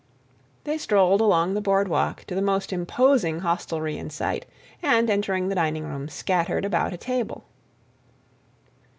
They strolled along the boardwalk to the most imposing hostelry in sight, and, entering the dining room, scattered about a table.